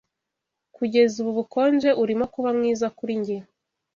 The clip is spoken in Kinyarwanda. Kugeza ubu bukonje urimo kuba mwiza kuri njye!